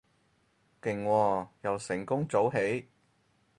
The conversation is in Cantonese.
勁喎，又成功早起